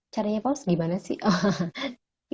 caranya pause gimana sih